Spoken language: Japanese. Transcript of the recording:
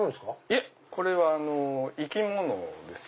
いえこれは生き物です。